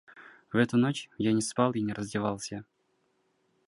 В эту ночь я не спал и не раздевался.